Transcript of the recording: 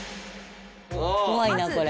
怖いなこれ。